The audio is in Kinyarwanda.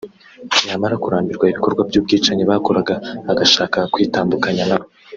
yamara kurambirwa ibikorwa by’ubwicanyi bakoraga agashaka kwitandukanya nabo